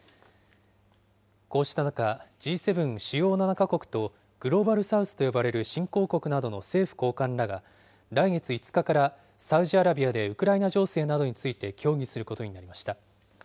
こうした中、Ｇ７・主要７か国とグローバル・サウスと呼ばれる新興国などの政府高官らが、来月５日からサウジアラビアでウクライナ情勢などについて協議することになりました。